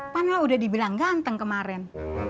pan lah udah dibilang ganteng kemarin